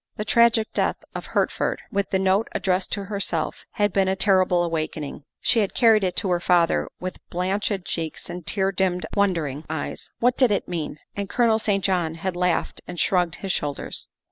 The tragic death of Hertford, with the note addressed to herself, had been a terrible awakening. She had carried it to her father with blanched cheeks and tear dimmed, wondering eyes. W T hat did it mean? And Colonel St. John had laughed and shrugged his shoulders.